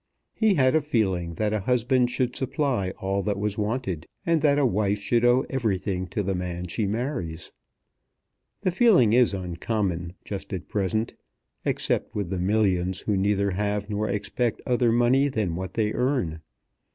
He had a feeling that a husband should supply all that was wanted, and that a wife should owe everything to the man she marries. The feeling is uncommon just at present, except with the millions who neither have nor expect other money than what they earn.